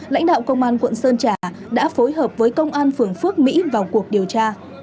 lãnh đạo công an quận sơn trà đã phối hợp với công an phường phước mỹ vào cuộc điều tra